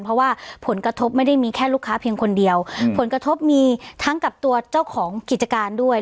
เพราะว่าผลกระทบไม่ได้มีแค่ลูกค้าเพียงคนเดียวผลกระทบมีทั้งกับตัวเจ้าของกิจการด้วย